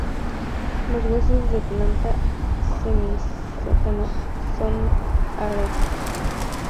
Los huecos de planta semisótano son arcos pareados marcadamente moldurados.